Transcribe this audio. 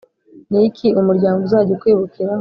niki umuryango uzajya ukwibukiraho